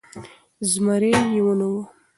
زمری يې و نيوی .